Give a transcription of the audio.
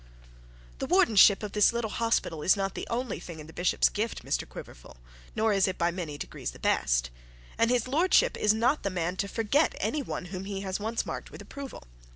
'The wardenship of this little hospital is not the only thing in the bishop's gift, Mr Quiverful, nor is it by many degrees the best. And his lordship is not the man to forget any one whom he has once marked with approval.